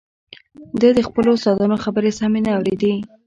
ده د خپلو استادانو خبرې سمې نه اورېدې